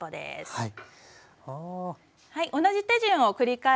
はい。